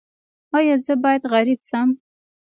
ایا زه باید غریب شم؟